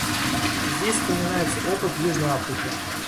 Здесь вспоминается опыт Южной Африки.